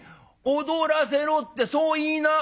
『踊らせろ』ってそう言いな！」。